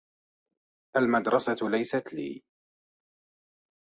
المدرسة ليست لي.